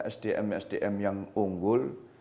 sdm sdm yang unggul